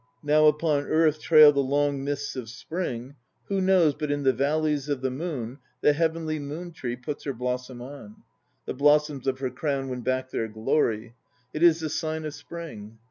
Now upon earth trail the long mists of Spring; Who knows but in the valleys of the moon The heavenly moon tree puts her blossom on? The blossoms of her crown win back their glory: It is the sign of Spring.